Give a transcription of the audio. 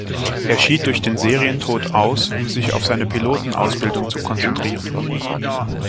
Er schied durch den „Serientod“ aus, um sich auf seine Pilotenausbildung zu konzentrieren.